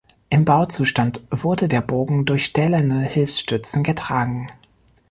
Im Bauzustand wurde der Bogen durch stählerne Hilfsstützen getragen.